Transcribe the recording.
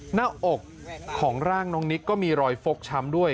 หน้าอกของร่างน้องนิกก็มีรอยฟกช้ำด้วย